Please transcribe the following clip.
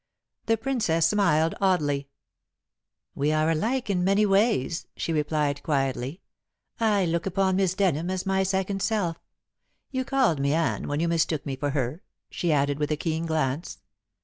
The Princess smiled oddly. "We are alike in many ways," she replied quietly. "I look upon Miss Denham as my second self. You called me Anne when you mistook me for her," she added, with a keen glance.